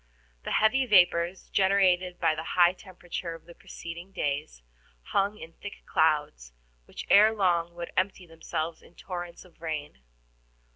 The heavy vapors, generated by the high temperature of the preceding days, hung in thick clouds, which ere long would empty themselves in torrents of rain.